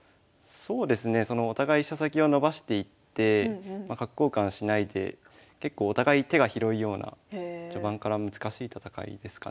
そうですねお互い飛車先を伸ばしていって角交換しないで結構お互い手が広いような序盤から難しい戦いですかね。